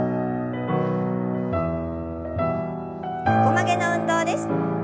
横曲げの運動です。